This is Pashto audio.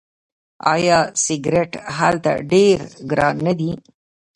آیا سیګرټ هلته ډیر ګران نه دي؟